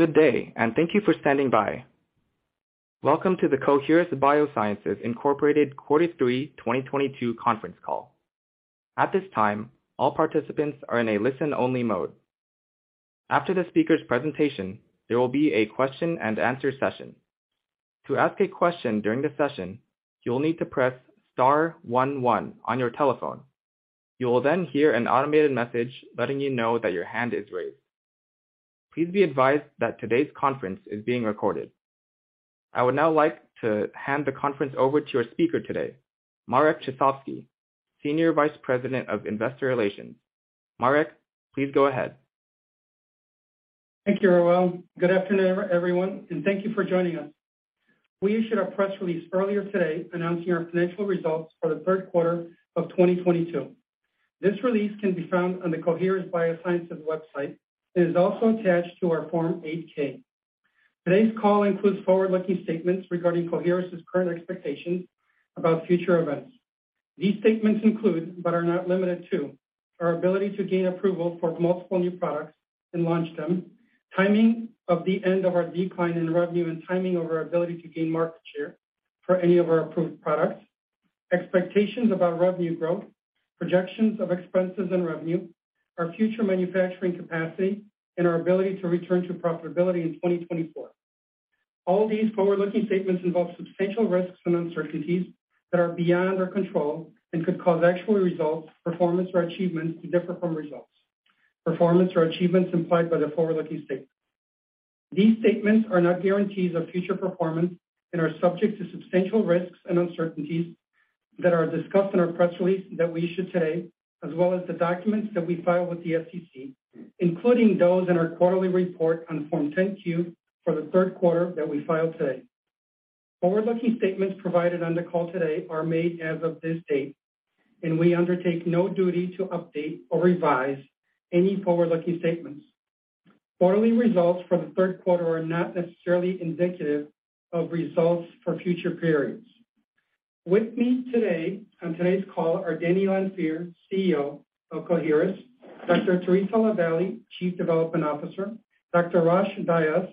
Good day, thank you for standing by. Welcome to the Coherus BioSciences, Inc. quarter three 2022 conference call. At this time, all participants are in a listen-only mode. After the speaker's presentation, there will be a question and answer session. To ask a question during the session, you will need to press star one one on your telephone. You will then hear an automated message letting you know that your hand is raised. Please be advised that today's conference is being recorded. I would now like to hand the conference over to our speaker today, Marek Ciszewski, Senior Vice President of Investor Relations. Marek, please go ahead. Thank you, Paul Reider. Good afternoon, everyone, and thank you for joining us. We issued our press release earlier today announcing our financial results for the third quarter of 2022. This release can be found on the Coherus BioSciences website. It is also attached to our Form 8-K. Today's call includes forward-looking statements regarding Coherus's current expectations about future events. These statements include, but are not limited to, our ability to gain approval for multiple new products and launch them, timing of the end of our decline in revenue, and timing of our ability to gain market share for any of our approved products, expectations about revenue growth, projections of expenses and revenue, our future manufacturing capacity, and our ability to return to profitability in 2024. All these forward-looking statements involve substantial risks and uncertainties that are beyond our control and could cause actual results, performance, or achievements to differ from results, performance, or achievements implied by the forward-looking statements. These statements are not guarantees of future performance and are subject to substantial risks and uncertainties that are discussed in our press release that we issued today, as well as the documents that we file with the SEC, including those in our quarterly report on Form 10-Q for the third quarter that we filed today. Forward-looking statements provided on the call today are made as of this date, and we undertake no duty to update or revise any forward-looking statements. Quarterly results for the third quarter are not necessarily indicative of results for future periods. With me today on today's call are Denny Lanfear, CEO of Coherus, Dr. Theresa LaVallee, Chief Development Officer, Dr.Rosh Dias,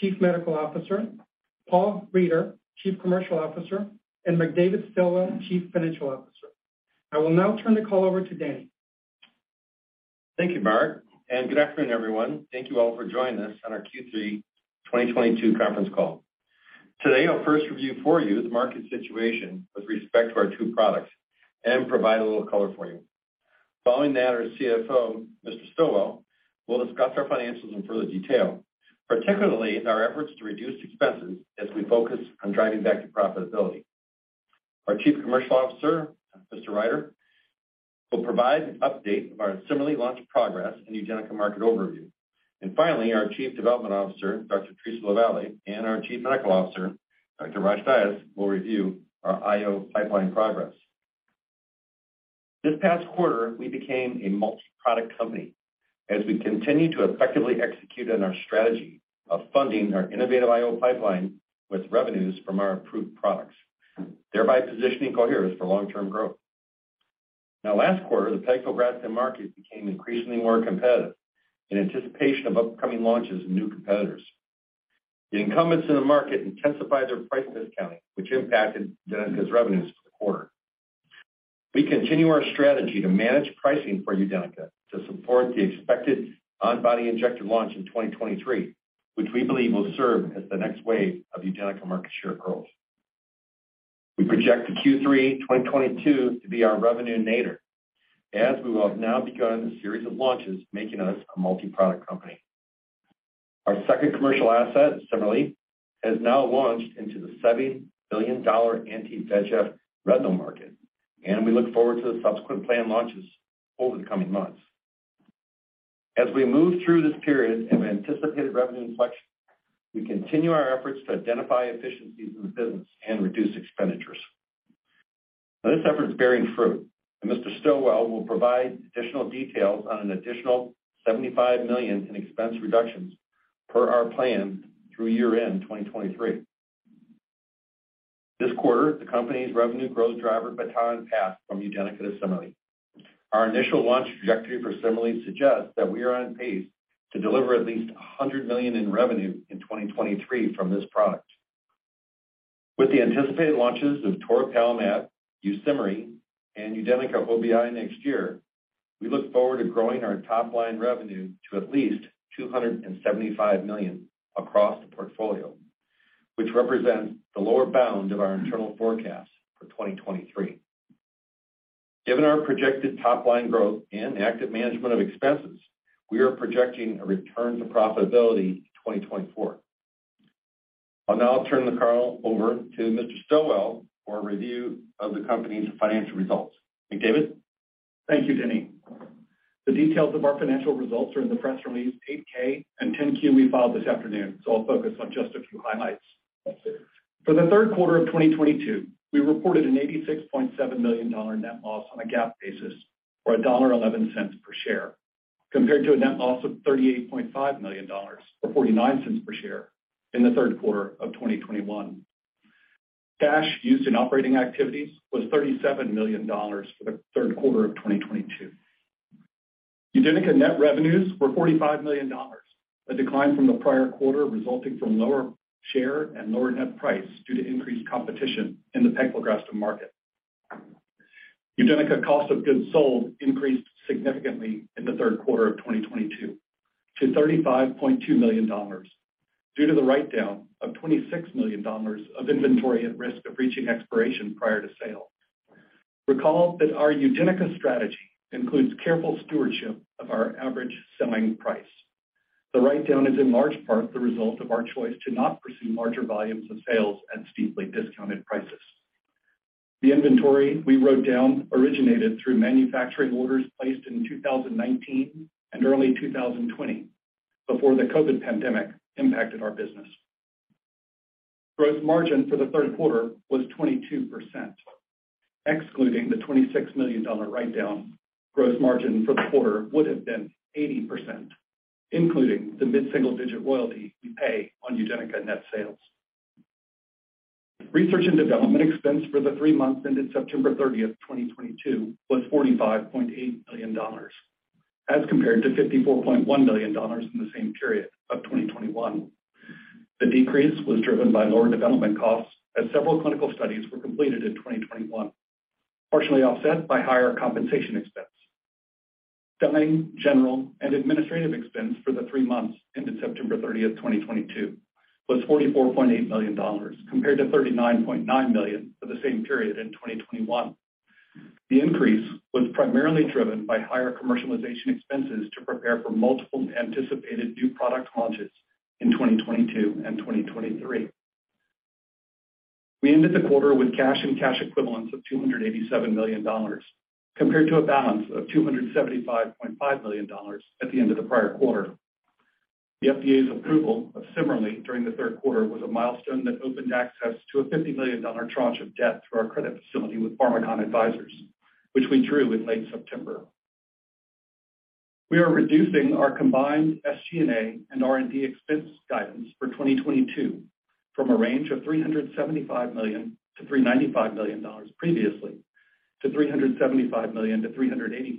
Chief Medical Officer, Paul Reider, Chief Commercial Officer, and McDavid Stilwell, Chief Financial Officer. I will now turn the call over to Denny. Thank you, Marek, and good afternoon, everyone. Thank you all for joining us on our Q3 2022 conference call. Today, I'll first review for you the market situation with respect to our two products and provide a little color for you. Following that, our CFO, Mr. Stilwell, will discuss our financials in further detail, particularly in our efforts to reduce expenses as we focus on driving back to profitability. Our Chief Commercial Officer, Mr. Reider, will provide an update of our CIMERLI launch progress and UDENYCA market overview. Finally, our Chief Development Officer, Dr. Theresa LaVallee, and our Chief Medical Officer, Dr. Rosh Dias, will review our IO pipeline progress. This past quarter, we became a multi-product company as we continue to effectively execute on our strategy of funding our innovative IO pipeline with revenues from our approved products, thereby positioning Coherus for long-term growth. Now last quarter, the pegfilgrastim market became increasingly more competitive in anticipation of upcoming launches and new competitors. The incumbents in the market intensified their price discounting, which impacted UDENYCA's revenues for the quarter. We continue our strategy to manage pricing for UDENYCA to support the expected on-body injector launch in 2023, which we believe will serve as the next wave of UDENYCA market share growth. We project the Q3 2022 to be our revenue nadir as we will have now begun a series of launches making us a multi-product company. Our second commercial asset, CIMERLI, has now launched into the $7 billion anti-VEGF retinal market, and we look forward to the subsequent planned launches over the coming months. As we move through this period of anticipated revenue inflection, we continue our efforts to identify efficiencies in the business and reduce expenditures. This effort is bearing fruit, and Mr. Stilwell will provide additional details on an additional $75 million in expense reductions per our plan through year-end 2023. This quarter, the company's revenue growth driver baton passed from UDENYCA to CIMERLI. Our initial launch trajectory for CIMERLI suggests that we are on pace to deliver at least $100 million in revenue in 2023 from this product. With the anticipated launches of toripalimab, YUSIMRY, and UDENYCA OBI next year, we look forward to growing our top-line revenue to at least $275 million across the portfolio, which represents the lower bound of our internal forecast for 2023. Given our projected top-line growth and active management of expenses, we are projecting a return to profitability in 2024. I'll now turn the call over to Mr. Stilwell for a review of the company's financial results. McDavid? Thank you, Denny. The details of our financial results are in the press release 8-K and 10-Q we filed this afternoon, so I'll focus on just a few highlights. For the third quarter of 2022, we reported an $86.7 million net loss on a GAAP basis, or $1.11 per share, compared to a net loss of $38.5 million, or $0.49 per share in the third quarter of 2021. Cash used in operating activities was $37 million for the third quarter of 2022. UDENYCA net revenues were $45 million, a decline from the prior quarter, resulting from lower share and lower net price due to increased competition in the pegfilgrastim market. UDENYCA cost of goods sold increased significantly in the third quarter of 2022 to $35.2 million due to the write-down of $26 million of inventory at risk of reaching expiration prior to sale. Recall that our UDENYCA strategy includes careful stewardship of our average selling price. The write-down is in large part the result of our choice to not pursue larger volumes of sales at steeply discounted prices. The inventory we wrote down originated through manufacturing orders placed in 2019 and early 2020 before the COVID-19 pandemic impacted our business. Gross margin for the third quarter was 22%. Excluding the $26 million write-down, gross margin for the quarter would have been 80%, including the mid-single-digit royalty we pay on UDENYCA net sales. Research and development expense for the three months ended September 30th, 2022 was $45.8 million, as compared to $54.1 million in the same period of 2021. The decrease was driven by lower development costs as several clinical studies were completed in 2021, partially offset by higher compensation expense. Selling, general, and administrative expense for the three months ended September 30th, 2022 was $44.8 million, compared to $39.9 million for the same period in 2021. The increase was primarily driven by higher commercialization expenses to prepare for multiple anticipated new product launches in 2022 and 2023. We ended the quarter with cash and cash equivalents of $287 million, compared to a balance of $275.5 million at the end of the prior quarter. The FDA's approval of YUSIMRY during the third quarter was a milestone that opened access to a $50 million tranche of debt through our credit facility with Pharmakon Advisors, which we drew in late September. We are reducing our combined SG&A and R&D expense guidance for 2022 from a range of $375 million-$395 million previously to $375 million-$385 million.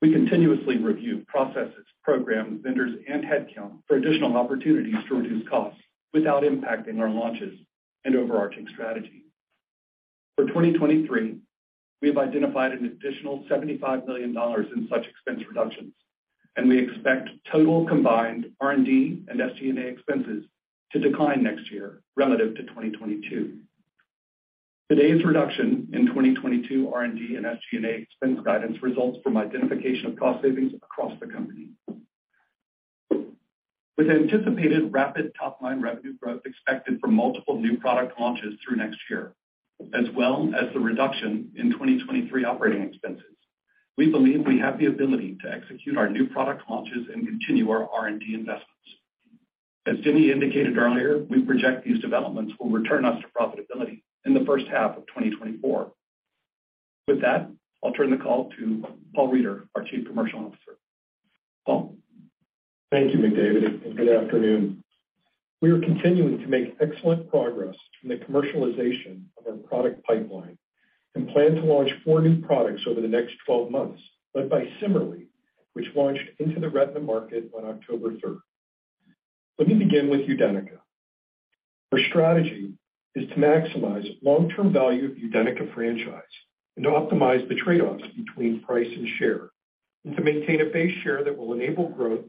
We continuously review processes, programs, vendors, and headcount for additional opportunities to reduce costs without impacting our launches and overarching strategy. For 2023, we have identified an additional $75 million in such expense reductions, and we expect total combined R&D and SG&A expenses to decline next year relative to 2022. Today's reduction in 2022 R&D and SG&A expense guidance results from identification of cost savings across the company. With anticipated rapid top-line revenue growth expected from multiple new product launches through next year, as well as the reduction in 2023 operating expenses, we believe we have the ability to execute our new product launches and continue our R&D investments. As Denny indicated earlier, we project these developments will return us to profitability in the first half of 2024. With that, I'll turn the call to Paul Reider, our Chief Commercial Officer. Paul? Thank you, McDavid, and good afternoon. We are continuing to make excellent progress in the commercialization of our product pipeline and plan to launch four new products over the next 12 months, led by CIMERLI, which launched into the retina market on October 3rd. Let me begin with UDENYCA. Our strategy is to maximize long-term value of UDENYCA franchise and to optimize the trade-offs between price and share, and to maintain a base share that will enable growth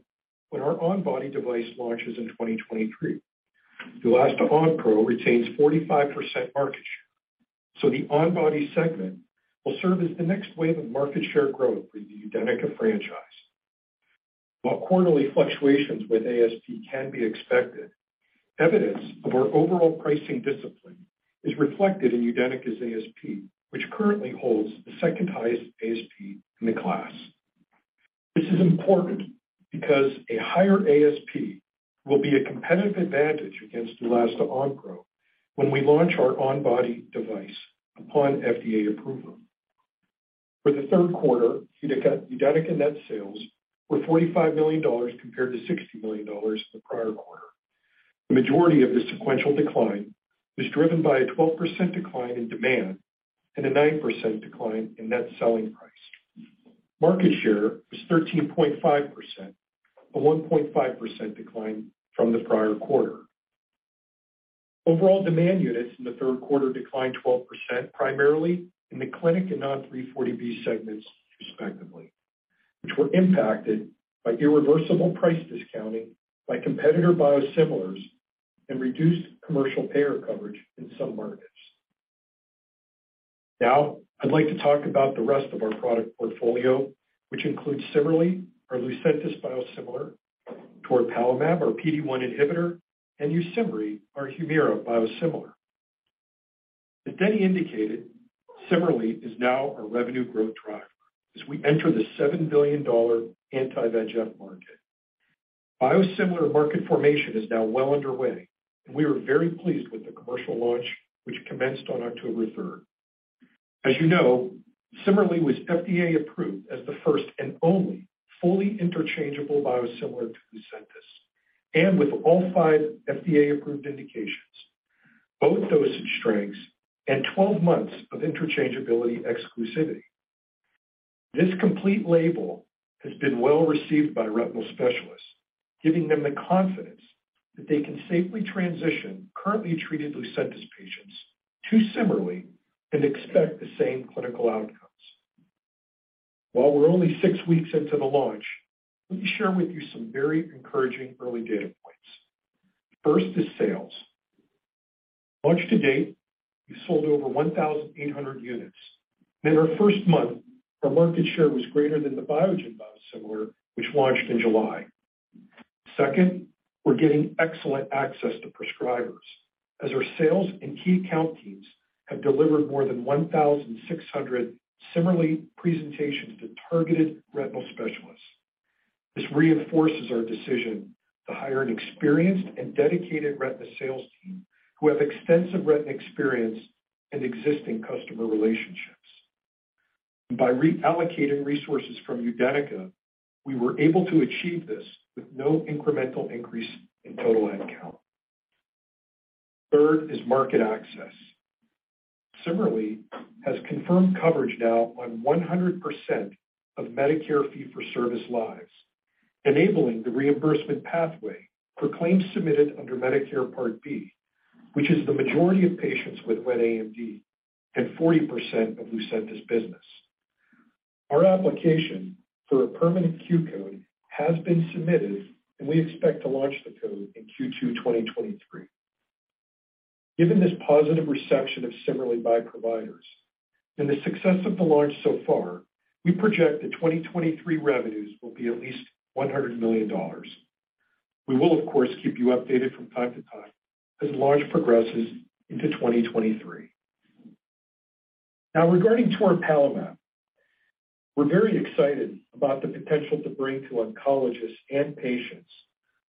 when our on-body device launches in 2023. Neulasta Onpro retains 45% market share, so the on-body segment will serve as the next wave of market share growth for the UDENYCA franchise. While quarterly fluctuations with ASP can be expected, evidence of our overall pricing discipline is reflected in UDENYCA's ASP, which currently holds the second-highest ASP in the class. This is important because a higher ASP will be a competitive advantage against Neulasta Onpro when we launch our on-body device upon FDA approval. For the third quarter, UDENYCA net sales were $45 million compared to $60 million the prior quarter. The majority of the sequential decline was driven by a 12% decline in demand and a 9% decline in net selling price. Market share was 13.5%, a 1.5% decline from the prior quarter. Overall demand units in the third quarter declined 12%, primarily in the clinic and non-340B segments, respectively, which were impacted by irreversible price discounting by competitor biosimilars and reduced commercial payer coverage in some markets. Now I'd like to talk about the rest of our product portfolio, which includes CIMERLI, our Lucentis biosimilar, toripalimab, our PD-1 inhibitor, and YUSIMRY, our Humira biosimilar. As Denny indicated, CIMERLI is now a revenue growth driver as we enter the $7 billion anti-VEGF market. Biosimilar market formation is now well underway, and we are very pleased with the commercial launch which commenced on October 3rd. As you know, CIMERLI was FDA approved as the first and only fully interchangeable biosimilar to Lucentis, and with all five FDA-approved indications, both dosage strengths and 12 months of interchangeability exclusivity. This complete label has been well received by retinal specialists, giving them the confidence that they can safely transition currently treated Lucentis patients to CIMERLI and expect the same clinical outcomes. While we're only six weeks into the launch, let me share with you some very encouraging early data points. First is sales. Launch to date, we sold over 1,800 units. In our first month, our market share was greater than the Biogen biosimilar, which launched in July. Second, we're getting excellent access to prescribers as our sales and key account teams have delivered more than 1,600 CIMERLI presentations to targeted retinal specialists. This reinforces our decision to hire an experienced and dedicated retina sales team who have extensive retina experience and existing customer relationships. By reallocating resources from UDENYCA, we were able to achieve this with no incremental increase in total head count. Third is market access. CIMERLI has confirmed coverage now on 100% of Medicare fee-for-service lives, enabling the reimbursement pathway for claims submitted under Medicare Part B, which is the majority of patients with wet AMD and 40% of Lucentis business. Our application for a permanent Q code has been submitted, and we expect to launch the code in Q2 2023. Given this positive reception of CIMERLI by providers and the success of the launch so far, we project that 2023 revenues will be at least $100 million. We will of course keep you updated from time to time as launch progresses into 2023. Now regarding toripalimab, we're very excited about the potential to bring to oncologists and patients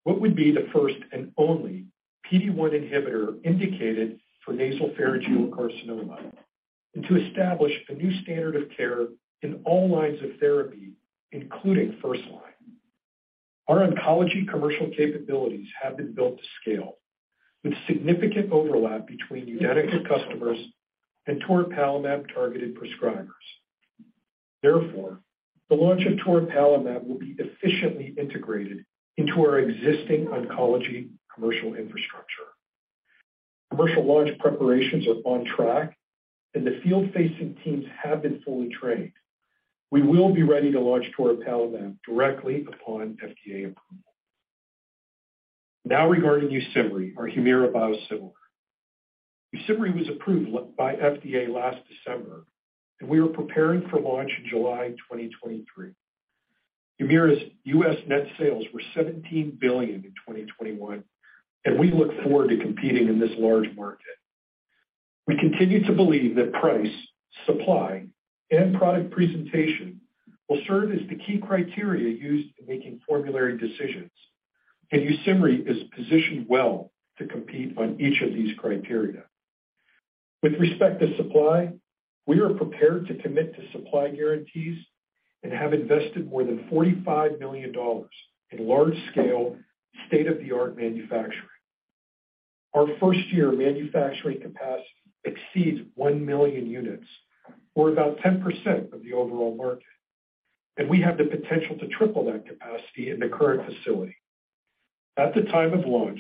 what would be the first and only PD-1 inhibitor indicated for nasopharyngeal carcinoma and to establish a new standard of care in all lines of therapy, including first line. Our oncology commercial capabilities have been built to scale with significant overlap between UDENYCA customers and toripalimab targeted prescribers. Therefore, the launch of toripalimab will be efficiently integrated into our existing oncology commercial infrastructure. Commercial launch preparations are on track, and the field-facing teams have been fully trained. We will be ready to launch toripalimab directly upon FDA approval. Now regarding YUSIMRY, our Humira biosimilar. YUSIMRY was approved by FDA last December, and we are preparing for launch in July 2023. Humira's U.S. net sales were $17 billion in 2021, and we look forward to competing in this large market. We continue to believe that price, supply, and product presentation will serve as the key criteria used in making formulary decisions, and YUSIMRY is positioned well to compete on each of these criteria. With respect to supply, we are prepared to commit to supply guarantees and have invested more than $45 million in large-scale state-of-the-art manufacturing. Our first-year manufacturing capacity exceeds 1 million units or about 10% of the overall market, and we have the potential to triple that capacity in the current facility. At the time of launch,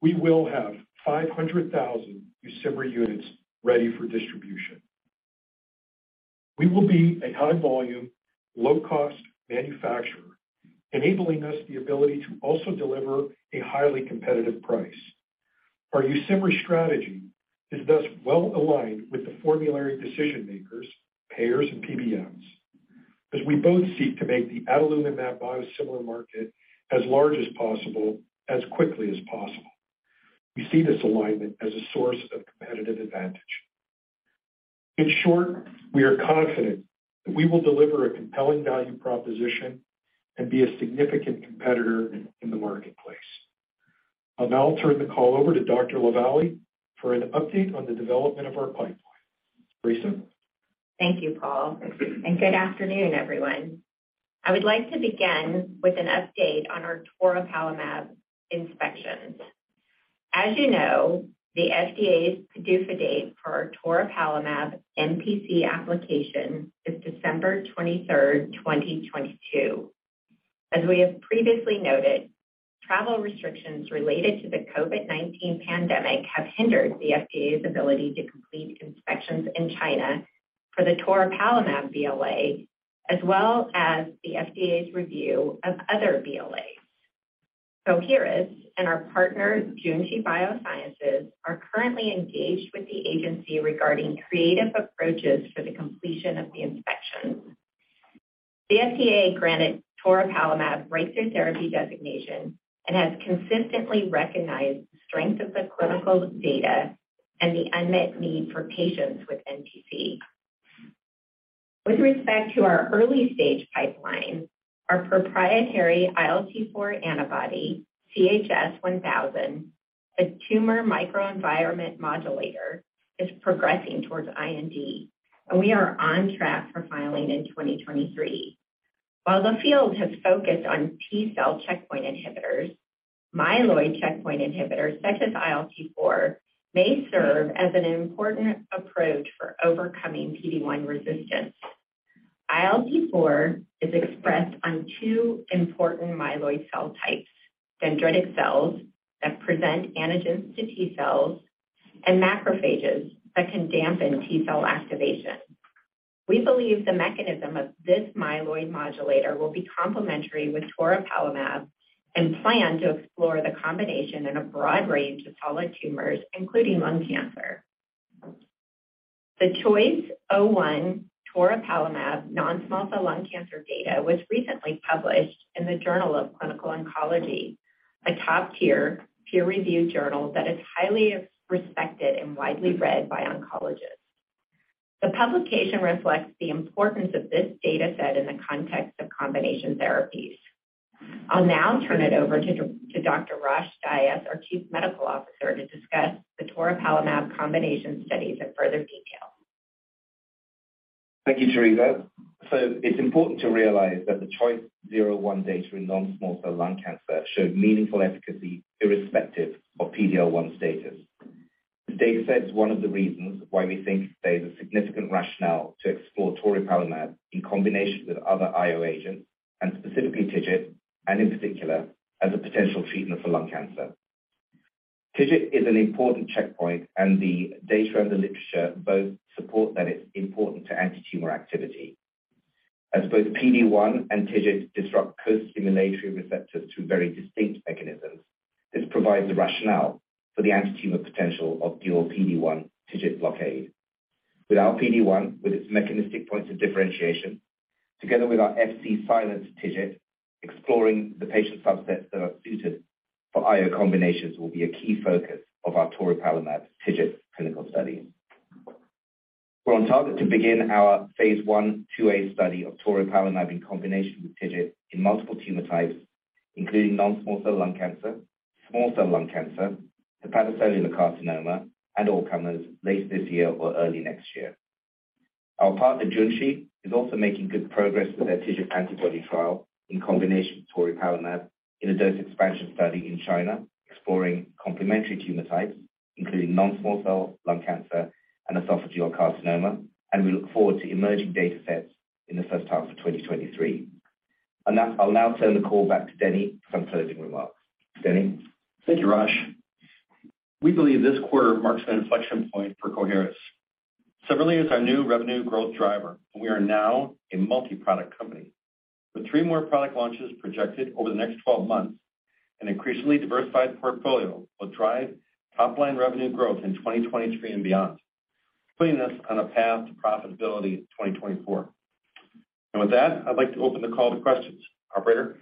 we will have 500,000 YUSIMRY units ready for distribution. We will be a high volume, low-cost manufacturer, enabling us the ability to also deliver a highly competitive price. Our YUSIMRY strategy is thus well aligned with the formulary decision makers, payers, and PBMs, as we both seek to make the adalimumab biosimilar market as large as possible as quickly as possible. We see this alignment as a source of competitive advantage. In short, we are confident that we will deliver a compelling value proposition and be a significant competitor in the marketplace. I'll now turn the call over to Dr. LaVallee for an update on the development of our pipeline. Theresa? Thank you, Paul, and good afternoon, everyone. I would like to begin with an update on our toripalimab inspections. As you know, the FDA's PDUFA date for our toripalimab NPC application is December 23rd, 2022. As we have previously noted, travel restrictions related to the COVID-19 pandemic have hindered the FDA's ability to complete inspections in China for the toripalimab BLA, as well as the FDA's review of other BLAs. Coherus and our partner, Junshi Biosciences, are currently engaged with the agency regarding creative approaches for the completion of the inspections. The FDA granted toripalimab breakthrough therapy designation and has consistently recognized the strength of the clinical data and the unmet need for patients with NPC. With respect to our early-stage pipeline, our proprietary ILT4 antibody, CHS-1000, a tumor microenvironment modulator, is progressing towards IND, and we are on track for filing in 2023. While the field has focused on T-cell checkpoint inhibitors, myeloid checkpoint inhibitors such as ILT4 may serve as an important approach for overcoming PD-1 resistance. ILT4 is expressed on two important myeloid cell types, dendritic cells that present antigens to T cells, and macrophages that can dampen T cell activation. We believe the mechanism of this myeloid modulator will be complementary with toripalimab, and plan to explore the combination in a broad range of solid tumors, including lung cancer. The CHOICE-01 toripalimab non-small cell lung cancer data was recently published in the Journal of Clinical Oncology, a top-tier peer-reviewed journal that is highly respected and widely read by oncologists. The publication reflects the importance of this data set in the context of combination therapies. I'll now turn it over to Dr. Rosh Dias, our Chief Medical Officer, to discuss the toripalimab combination studies in further detail. Thank you, Theresa. It's important to realize that the CHOICE-01 data in non-small cell lung cancer showed meaningful efficacy irrespective of PD-L1 status. The dataset is one of the reasons why we think there's a significant rationale to explore toripalimab in combination with other IO agents, and specifically TIGIT, and in particular, as a potential treatment for lung cancer. TIGIT is an important checkpoint, and the data and the literature both support that it's important to antitumor activity. As both PD-1 and TIGIT disrupt co-stimulatory receptors through very distinct mechanisms, this provides the rationale for the antitumor potential of dual PD-1 TIGIT blockade. With our PD-1, with its mechanistic points of differentiation, together with our Fc-silent TIGIT, exploring the patient subsets that are suited for IO combinations will be a key focus of our toripalimab TIGIT clinical studies. We're on target to begin our phase I-II A study of toripalimab in combination with TIGIT in multiple tumor types, including non-small cell lung cancer, small cell lung cancer, hepatocellular carcinoma, and all comers late this year or early next year. Our partner Junshi is also making good progress with their TIGIT antibody trial in combination with toripalimab in a dose expansion study in China, exploring complementary tumor types, including non-small cell lung cancer and esophageal carcinoma. We look forward to emerging data sets in the first half of 2023. Now, I'll turn the call back to Denny for some closing remarks. Denny? Thank you, Rosh. We believe this quarter marks an inflection point for Coherus. YUSIMRY is our new revenue growth driver, and we are now a multi-product company. With three more product launches projected over the next 12 months, an increasingly diversified portfolio will drive top-line revenue growth in 2023 and beyond, putting us on a path to profitability in 2024. With that, I'd like to open the call to questions. Operator?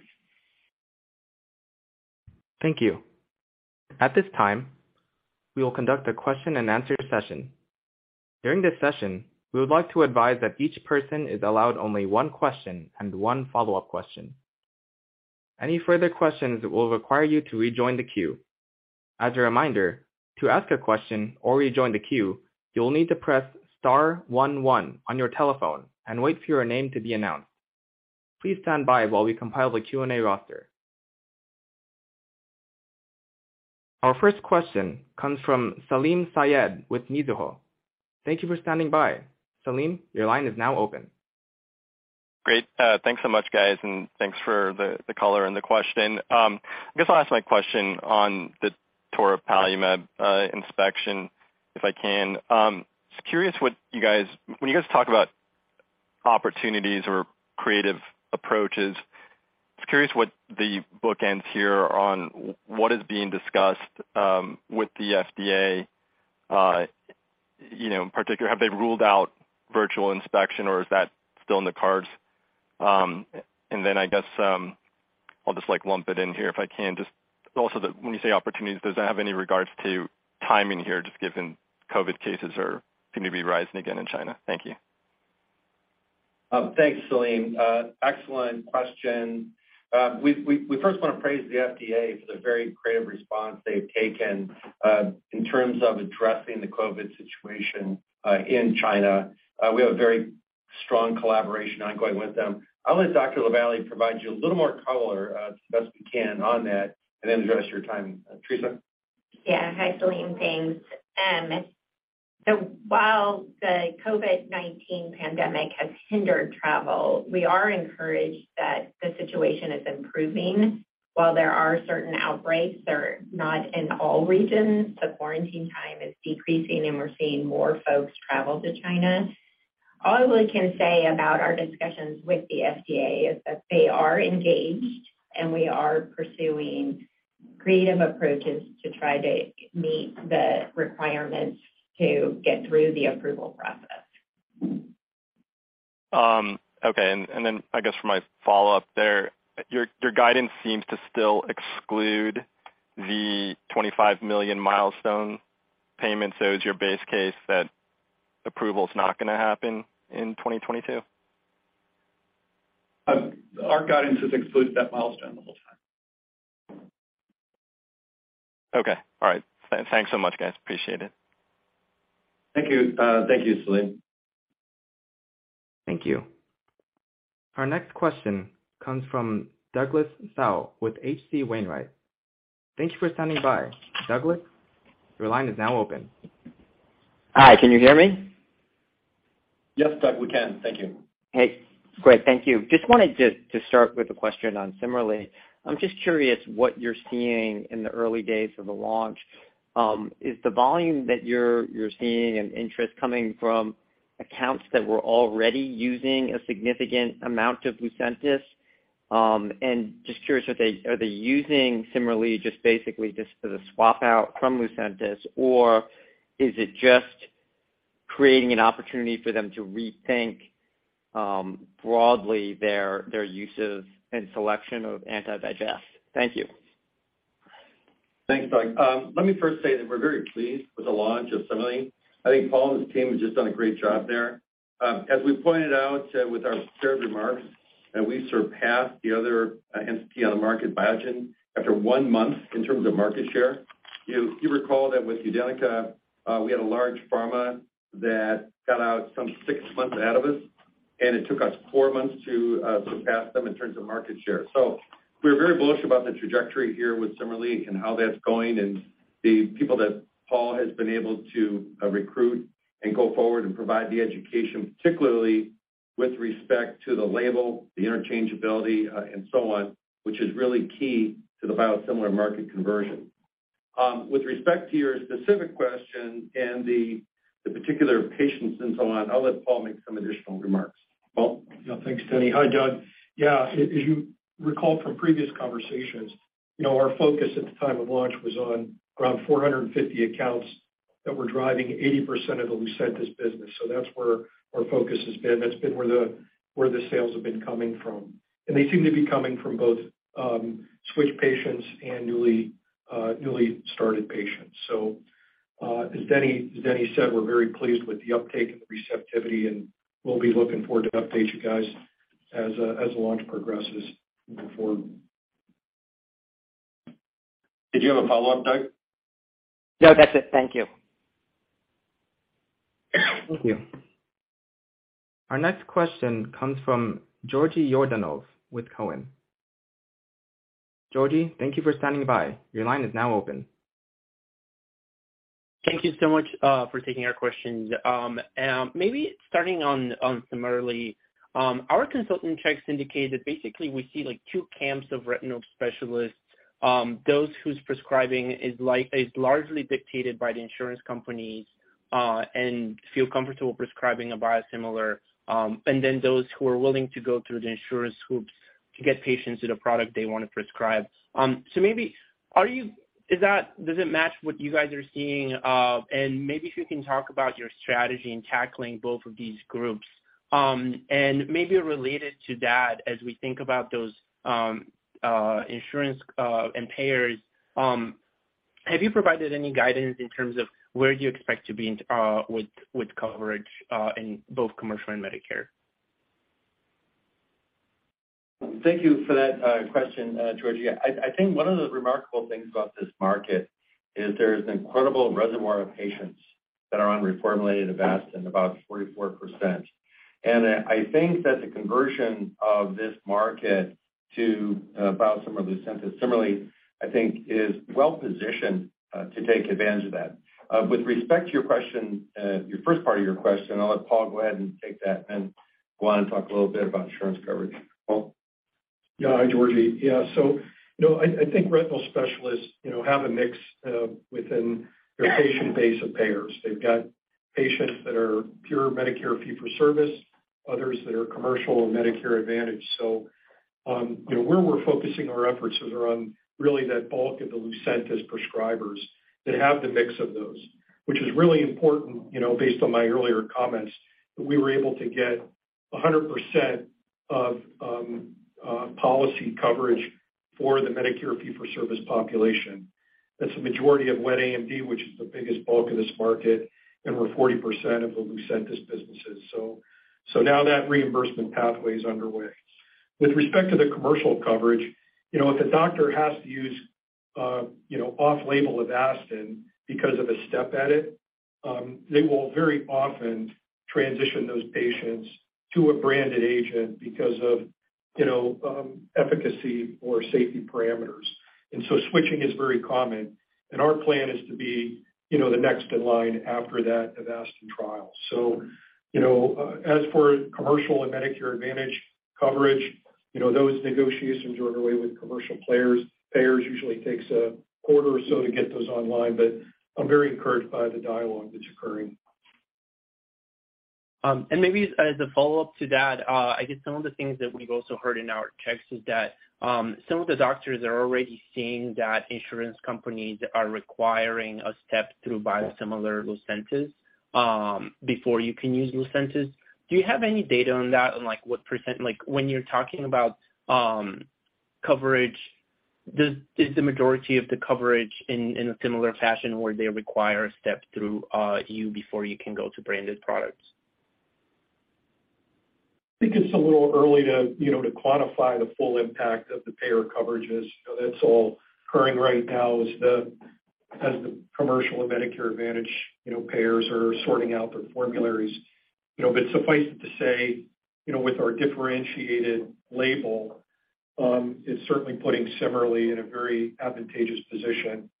Thank you. At this time, we will conduct a question-and-answer session. During this session, we would like to advise that each person is allowed only one question and one follow-up question. Any further questions will require you to rejoin the queue. As a reminder, to ask a question or rejoin the queue, you will need to press star one one on your telephone and wait for your name to be announced. Please stand by while we compile the Q&A roster. Our first question comes from Salim Syed with Mizuho. Thank you for standing by. Salim, your line is now open. Great. Thanks so much, guys, and thanks for the call and the question. I guess I'll ask my question on the toripalimab inspection, if I can. Just curious, when you guys talk about opportunities or creative approaches, what the bookends here are on what is being discussed with the FDA. You know, in particular, have they ruled out virtual inspection, or is that still in the cards? Then I guess I'll just like lump it in here if I can. When you say opportunities, does that have any regard to timing here, just given COVID cases are going to be rising again in China? Thank you. Thanks, Salim. Excellent question. We first wanna praise the FDA for the very creative response they've taken in terms of addressing the COVID situation in China. We have a very strong collaboration ongoing with them. I'll let Dr. LaVallee provide you a little more color as best we can on that, and then address your timing. Theresa? Yeah. Hi, Salim. Thanks. While the COVID-19 pandemic has hindered travel, we are encouraged that the situation is improving. While there are certain outbreaks, they're not in all regions. The quarantine time is decreasing, and we're seeing more folks travel to China. All I really can say about our discussions with the FDA is that they are engaged, and we are pursuing creative approaches to try to meet the requirements to get through the approval process. Then I guess for my follow-up there, your guidance seems to still exclude the $25 million milestone payment, so is your base case that approval is not going to happen in 2022? Our guidance has excluded that milestone the whole time. Okay. All right. Thanks so much, guys. Appreciate it. Thank you. Thank you, Salim. Thank you. Our next question comes from Douglas Tsao with H.C. Wainwright. Thank you for standing by. Douglas, your line is now open. Hi. Can you hear me? Yes, Douglas, we can. Thank you. Hey. Great. Thank you. Just wanted to start with a question on YUSIMRY. I'm just curious what you're seeing in the early days of the launch. Is the volume that you're seeing and interest coming from accounts that were already using a significant amount of CIMERLI? And just curious, are they using YUSIMRY just basically for the swap out from CIMERLI? Or is it just creating an opportunity for them to rethink broadly their uses and selection of anti-VEGF? Thank you. Thanks, Douglas. Let me first say that we're very pleased with the launch of YUSIMRY. I think Paul and his team have just done a great job there. As we pointed out with our prepared remarks that we surpassed the other entity on the market Biogen after one month in terms of market share. You recall that with UDENYCA, we had a large pharma that got out some sx months out of us, and it took us four months to surpass them in terms of market share. We're very bullish about the trajectory here with YUSIMRY and how that's going and the people that Paul has been able to recruit and go forward and provide the education, particularly with respect to the label, the interchangeability, and so on, which is really key to the biosimilar market conversion. With respect to your specific question and the particular patients and so on, I'll let Paul make some additional remarks. Paul? Yeah. Thanks, Denny. Hi, Douglas. Yeah. As you recall from previous conversations, you know, our focus at the time of launch was on around 450 accounts that were driving 80% of the CIMERLI business. That's where our focus has been. That's been where the sales have been coming from. They seem to be coming from both switch patients and newly started patients. As Denny said, we're very pleased with the uptake and the receptivity, and we'll be looking forward to update you guys as the launch progresses moving forward. Did you have a follow-up, Douglas? No, that's it. Thank you. Thank you. Our next question comes from Georgi Yordanov with Cowen. Georgie, thank you for standing by. Your line is now open. Thank you so much for taking our question. Maybe starting on CIMERLI, our consultant checks indicate that basically we see, like, two camps of retinal specialists, those whose prescribing is largely dictated by the insurance companies and feel comfortable prescribing a biosimilar, and then those who are willing to go through the insurance hoops to get patients with a product they wanna prescribe. Does it match what you guys are seeing? Maybe if you can talk about your strategy in tackling both of these groups. Maybe related to that as we think about those insurance and payers, have you provided any guidance in terms of where you expect to be with coverage in both commercial and Medicare? Thank you for that question, Georgie. I think one of the remarkable things about this market is there's an incredible reservoir of patients that are on reformulated Avastin, about 44%. I think that the conversion of this market to biosimilar CIMERLI similarly is well positioned to take advantage of that. With respect to your question, your first part of your question, I'll let Paul go ahead and take that and go on and talk a little bit about insurance coverage. Paul? Hi, Georgie. Yeah. You know, I think retinal specialists, you know, have a mix within their patient base of payers. They have patients that are pure Medicare fee-for-service, others that are commercial or Medicare Advantage. You know, where we're focusing our efforts is around really that bulk of the CIMERLI prescribers that have the mix of those, which is really important, you know, based on my earlier comments, that we were able to get 100% of policy coverage for the Medicare fee-for-service population. That's the majority of wet AMD, which is the biggest bulk of this market, and we're 40% of the CIMERLI businesses. Now that reimbursement pathway is underway. With respect to the commercial coverage, you know, if the doctor has to use, you know, off-label Avastin because of a step edit, they will very often transition those patients to a branded agent because of, you know, efficacy or safety parameters. Switching is very common, and our plan is to be, you know, the next in line after that Avastin trial. You know, as for commercial and Medicare Advantage coverage, you know, those negotiations are underway with commercial payers. Usually takes a quarter or so to get those online, but I'm very encouraged by the dialogue that's occurring. Maybe as a follow-up to that, I guess some of the things that we've also heard in our checks is that some of the doctors are already seeing that insurance companies are requiring a step through biosimilar CIMERLI before you can use CIMERLI. Do you have any data on that? On like what percent. Like when you're talking about coverage. Is the majority of the coverage in a similar fashion where they require a step through you before you can go to branded products? I think it's a little early to, you know, to quantify the full impact of the payer coverages. That's all occurring right now as the commercial and Medicare Advantage, you know, payers are sorting out their formularies. You know, but suffice it to say, you know, with our differentiated label, it's certainly putting CIMERLI in a very advantageous position,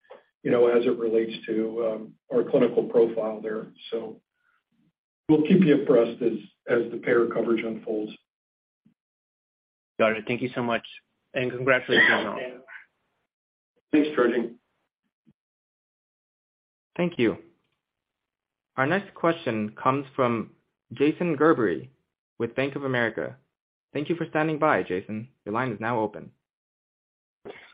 you know, as it relates to our clinical profile there. We'll keep you abreast as the payer coverage unfolds. Got it. Thank you so much. Congratulations. Thanks, Georgi. Thank you. Our next question comes from Jason Gerberry with Bank of America. Thank you for standing by, Jason. Your line is now open.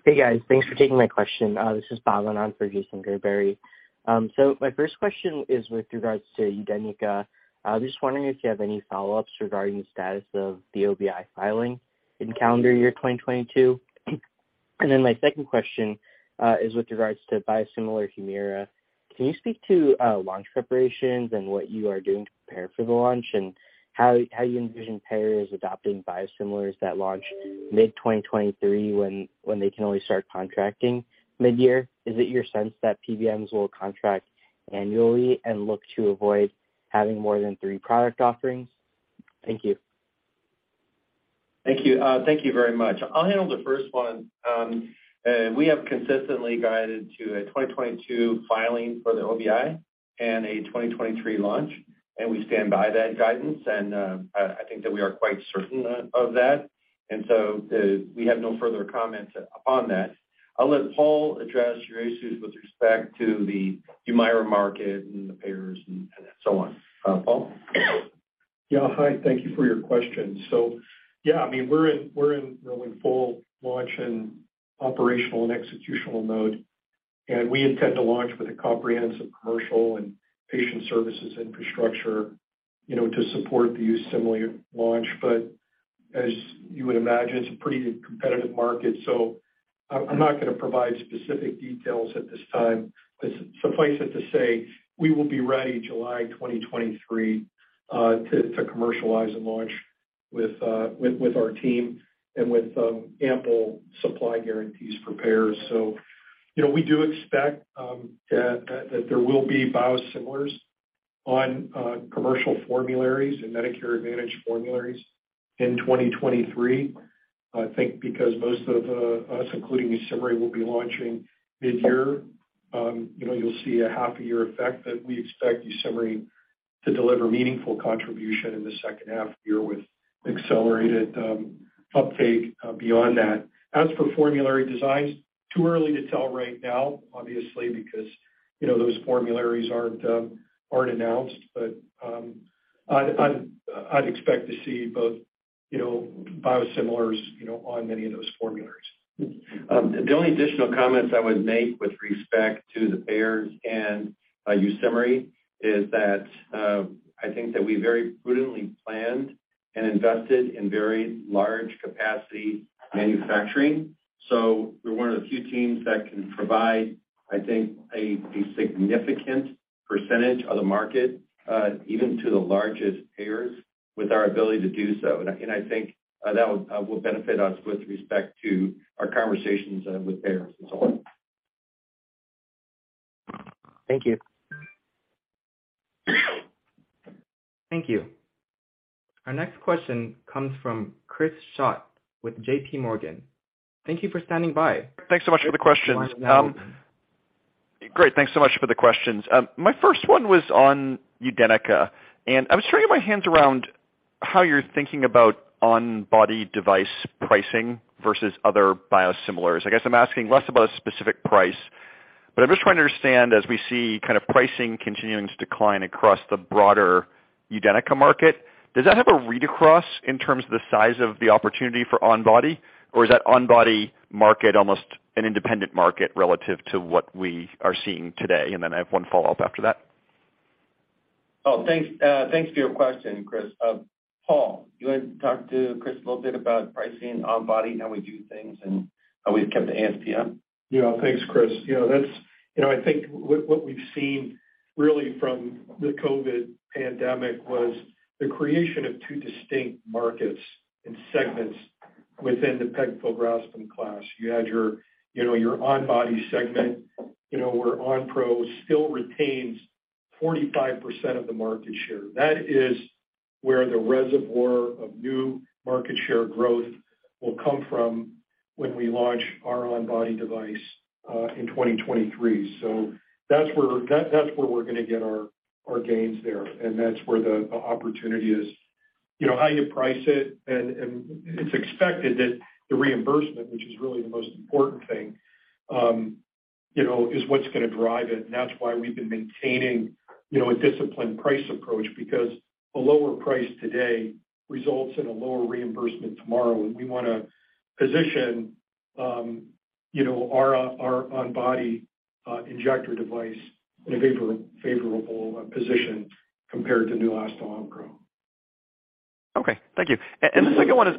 Hey, guys. Thanks for taking my question. This is following on for Jason Gerberry. My first question is with regards to UDENYCA. I'm just wondering if you have any follow-ups regarding the status of the OBI filing in calendar year 2022. My second question is with regards to biosimilar Humira. Can you speak to launch preparations and what you are doing to prepare for the launch and how you envision payers adopting biosimilars that launch mid-2023 when they can only start contracting midyear? Is it your sense that PBMs will contract annually and look to avoid having more than three product offerings? Thank you. Thank you. Thank you very much. I'll handle the first one. We have consistently guided to a 2022 filing for the OBI and a 2023 launch, and we stand by that guidance. I think that we are quite certain of that. We have no further comments upon that. I'll let Paul address your issues with respect to the Humira market and the payers and so on. Paul? Yeah. Hi, thank you for your question. Yeah, I mean, we're in, you know, in full launch and operational and executional mode, and we intend to launch with a comprehensive commercial and patient services infrastructure, you know, to support the YUSIMRY launch. As you would imagine, it's a pretty competitive market, so I'm not gonna provide specific details at this time. Suffice it to say, we will be ready July 2023 to commercialize and launch with our team and with ample supply guarantees for payers. You know, we do expect that there will be biosimilars on commercial formularies and Medicare Advantage formularies in 2023. I think because most of us, including YUSIMRY, will be launching midyear. You know, you'll see a half a year effect, but we expect YUSIMRY to deliver meaningful contribution in the second half year with accelerated uptake beyond that. As for formulary decisions, too early to tell right now, obviously, because you know, those formularies aren't announced. I'd expect to see both, you know, biosimilars, you know, on many of those formularies. The only additional comments I would make with respect to the payers and YUSIMRY is that I think that we very prudently planned and invested in very large capacity manufacturing. We're one of the few teams that can provide, I think, a significant percentage of the market even to the largest payers with our ability to do so. I think that will benefit us with respect to our conversations with payers and so on. Thank you. Thank you. Our next question comes from Chris Schott with J.P. Morgan. Thank you for standing by. Thanks so much for the questions. Your line is now open. Great. Thanks so much for the questions. My first one was on UDENYCA, and I was trying to get my hands around how you're thinking about on-body device pricing versus other biosimilars. I guess I'm asking less about a specific price, but I'm just trying to understand as we see kind of pricing continuing to decline across the broader UDENYCA market, does that have a read across in terms of the size of the opportunity for on body, or is that on-body market almost an independent market relative to what we are seeing today? I have one follow-up after that. Thanks for your question, Chris. Paul, you want to talk to Chris a little bit about pricing on body, how we do things and how we've kept the ASP up? Yeah. Thanks, Chris. You know, that's, you know, I think what we've seen really from the COVID pandemic was the creation of two distinct markets and segments within the pegfilgrastim class. You had your, you know, your on-body segment, you know, where Onpro still retains 45% of the market share. That is where the reservoir of new market share growth will come from when we launch our on-body device in 2023. So that's where we're gonna get our gains there, and that's where the opportunity is. You know how you price it and it's expected that the reimbursement, which is really the most important thing, you know, is what's gonna drive it. That's why we've been maintaining, you know, a disciplined price approach because a lower price today results in a lower reimbursement tomorrow. We wanna position, you know, our on-body injector device in a favorable position compared to Neulasta Onpro. Okay. Thank you. And the second one is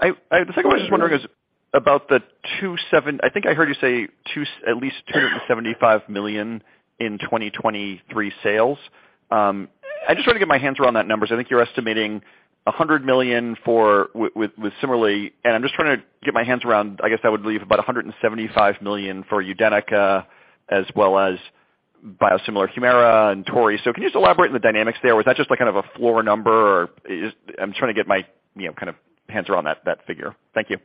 the second one I was wondering is about the at least $275 million in 2023 sales. I just want to get my hands around that number. I think you're estimating $100 million for with YUSIMRY, and I'm just trying to get my hands around. I guess that would leave about $175 million for UDENYCA as well as biosimilar Humira and toripalimab. Can you just elaborate on the dynamics there? Was that just, like, kind of a floor number or is it? I'm trying to get my, you know, kind of hands around that figure. Thank you.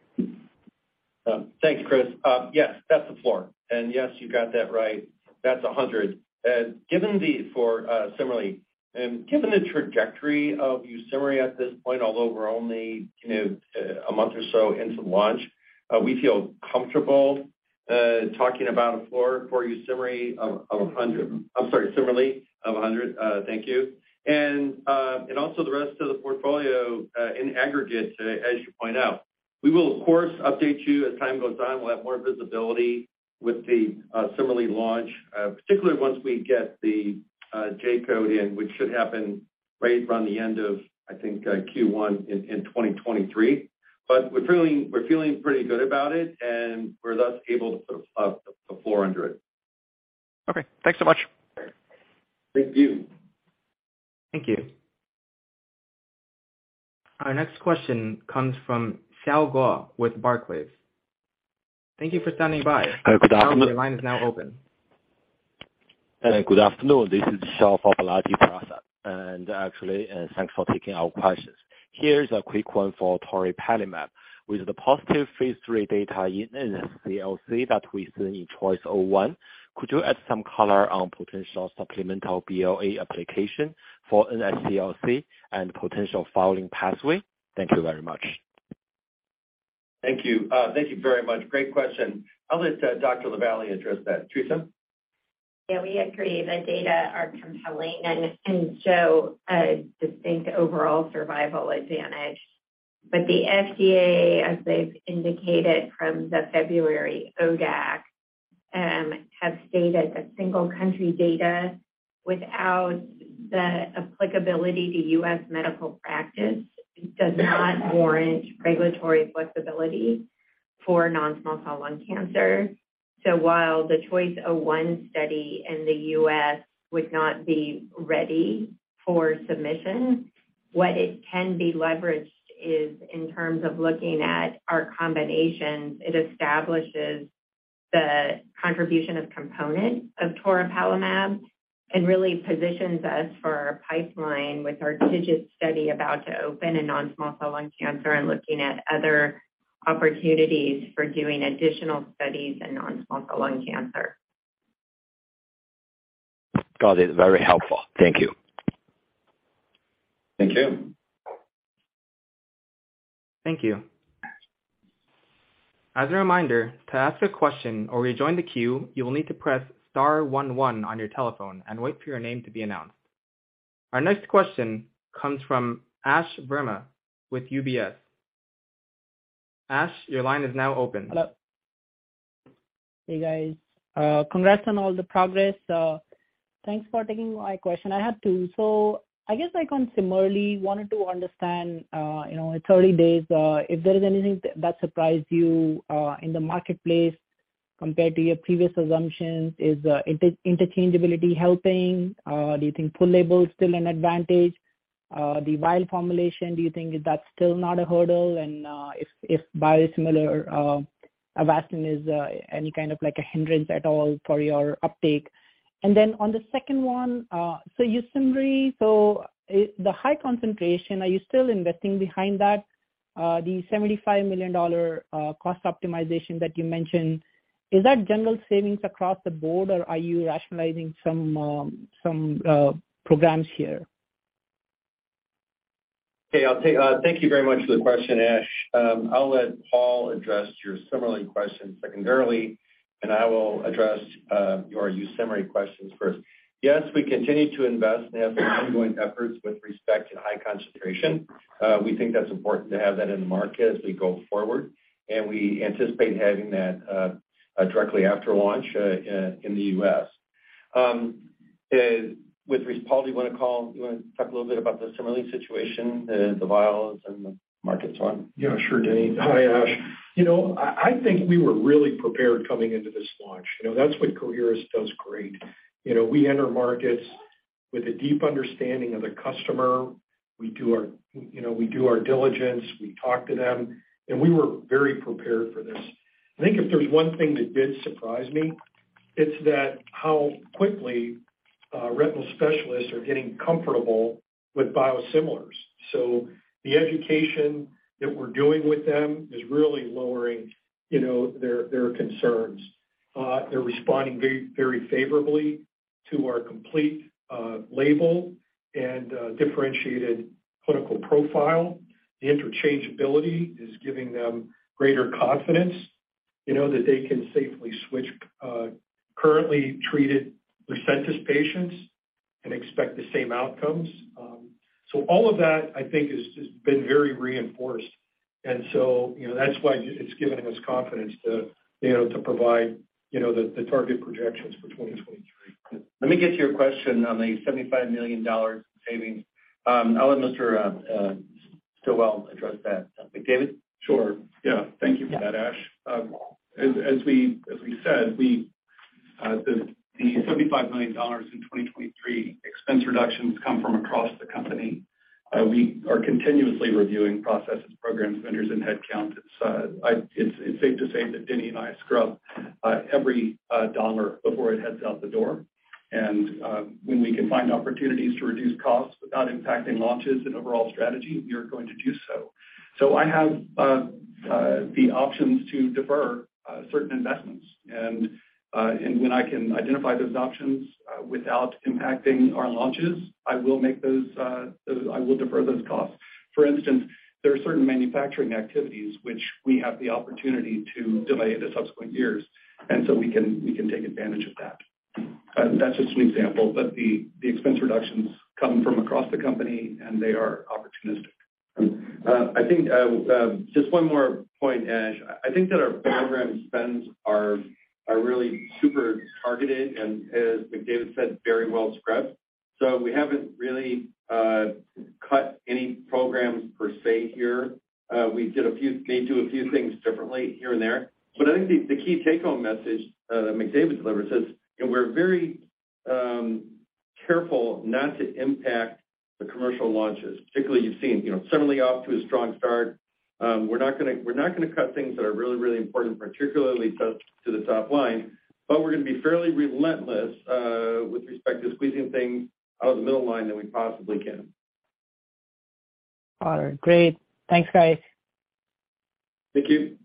Thanks, Chris. Yes, that's the floor. Yes, you got that right. That's $100. Given the trajectory of YUSIMRY at this point, although we're only, you know, a month or so into launch, we feel comfortable talking about a floor for YUSIMRY of $100. I'm sorry, YUSIMRY, of $100. Thank you. Also the rest of the portfolio in aggregate, as you point out. We will, of course, update you as time goes on. We'll have more visibility with the YUSIMRY launch, particularly once we get the J code in, which should happen right around the end of, I think, Q1 in 2023. We're feeling pretty good about it, and we're thus able to put a floor under it. Okay. Thanks so much. Thank you. Thank you. Our next question comes from Chao Guo with Barclays. Thank you for standing by. Good afternoon. Your line is now open. Good afternoon. This is Chao Guo for Okay. Thank you very much for the question, Ash. I'll let Paul address your YUSIMRY question secondarily, and I will address your YUSIMRY questions first. Yes, we continue to invest and have ongoing efforts with respect to high concentration. We think that's important to have that in the market as we go forward, and we anticipate having that directly after launch in the U.S. Paul, do you wanna talk a little bit about the YUSIMRY situation, the vials and the markets one? Yeah, sure, Denny. Hi, Ash. You know, I think we were really prepared coming into this launch. You know, that's what Coherus does great. You know, we enter markets with a deep understanding of the customer. We do our diligence, we talk to them, and we were very prepared for this. I think if there's one thing that did surprise me, it's how quickly retinal specialists are getting comfortable with biosimilars. The education that we're doing with them is really lowering their concerns. They're responding very, very favorably to our complete label and differentiated clinical profile. The interchangeability is giving them greater confidence that they can safely switch currently treated CIMERLI patients and expect the same outcomes. All of that, I think, has been very reinforced. You know, that's why it's giving us confidence to, you know, to provide, you know, the target projections for 2023. Let me get to your question on the $75 million savings. I'll let Mr. Stilwell address that. McDavid? Sure, yeah. Thank you for that, Ash. As we said, the $75 million in 2023 expense reductions come from across the company. We are continuously reviewing processes, programs, vendors, and headcounts. It's safe to say that Denny and I scrub every dollar before it heads out the door. When we can find opportunities to reduce costs without impacting launches and overall strategy, we are going to do so. I have the options to defer certain investments. When I can identify those options without impacting our launches, I will defer those costs. For instance, there are certain manufacturing activities which we have the opportunity to delay into subsequent years, and so we can take advantage of that. That's just an example, but the expense reductions come from across the company and they are opportunistic. I think just one more point, Ash. I think that our program spends are really super targeted and as McDavid said, very well scrubbed. We haven't really cut any programs per se here. We may do a few things differently here and there, but I think the key take home message McDavid delivered says, you know, we're very careful not to impact the commercial launches. Particularly, you've seen, you know, UDENYCA off to a strong start. We're not gonna cut things that are really important, particularly to the top line, but we're gonna be fairly relentless with respect to squeezing things out of the middle line that we possibly can. Got it. Great. Thanks, guys. Thank you.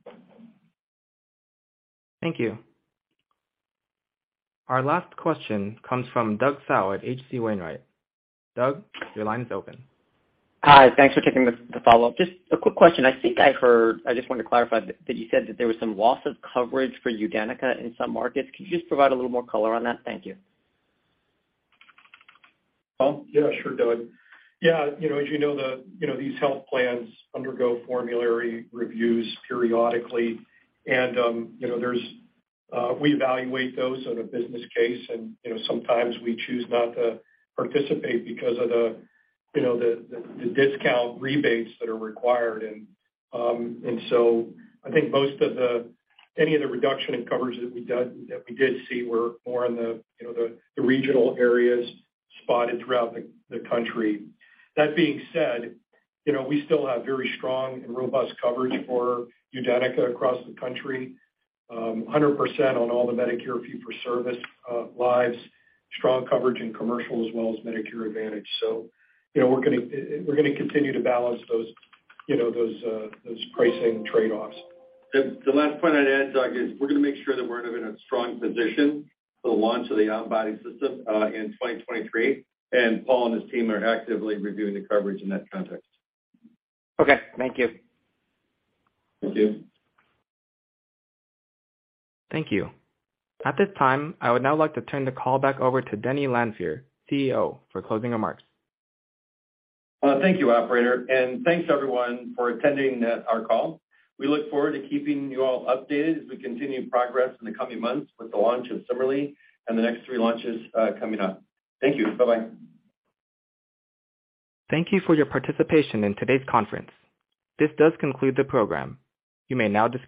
Thank you. Our last question comes from Douglas Tsao at H.C. Wainwright & Co. Douglas Tsao, your line is open. Hi. Thanks for taking the follow-up. Just a quick question. I think I heard, I just want to clarify that you said that there was some loss of coverage for UDENYCA in some markets. Could you just provide a little more color on that? Thank you. Well, yeah. Sure, Douglas. Yeah. You know, as you know, you know, these health plans undergo formulary reviews periodically. You know, there's we evaluate those on a business case and, you know, sometimes we choose not to participate because of the, you know, the discount rebates that are required. I think any of the reduction in coverage that we did see were more in the, you know, the regional areas spotted throughout the country. That being said, you know, we still have very strong and robust coverage for UDENYCA across the country. 100% on all the Medicare fee-for-service lives, strong coverage in commercial as well as Medicare Advantage. You know, we're gonna continue to balance those, you know, those pricing trade-offs. The last point I'd add, Douglas, is we're gonna make sure that we're in a strong position for the launch of the on-body system in 2023. Paul and his team are actively reviewing the coverage in that context. Okay. Thank you. Thank you. Thank you. At this time, I would now like to turn the call back over to Denny Lanfear, CEO, for closing remarks. Well, thank you operator, and thanks everyone for attending, our call. We look forward to keeping you all updated as we continue progress in the coming months with the launch of YUSIMRY and the next three launches, coming up. Thank you. Bye-bye. Thank you for your participation in today's conference. This does conclude the program. You may now disconnect.